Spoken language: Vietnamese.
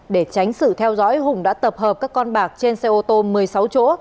để tránh sự theo dõi hùng đã tập hợp các con bạc trên xe ô tô một mươi sáu chỗ